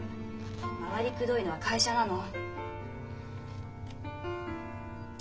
回りくどいのは会社なの。